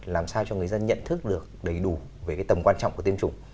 làm sao cho người dân nhận thức được đầy đủ về cái tầm quan trọng của tiêm chủng